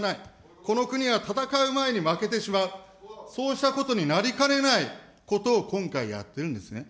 この国が戦う前に負けてしまう、そうしたことになりかねないことを今回やってるんですね。